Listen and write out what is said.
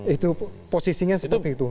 itu posisinya seperti itu